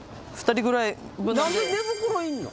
何で寝袋いんの？